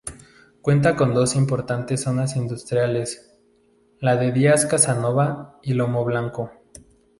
Cuenta con dos importantes zonas industriales, la de Díaz Casanova y Lomo Blanco.